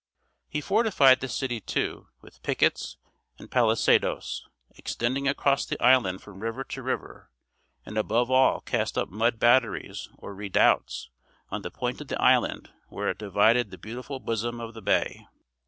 He fortified the city, too, with pickets and palisadoes, extending across the island from river to river; and above all cast up mud batteries or redoubts on the point of the island where it divided the beautiful bosom of the bay.